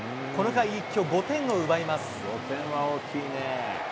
この回、一挙５点を奪います。